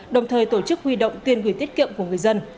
đồng thời tổ chức huy động tiền gửi tiết kiệm của người dân